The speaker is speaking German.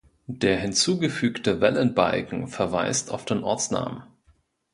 Der hinzugefügte Wellenbalken verweist auf den Ortsnamen.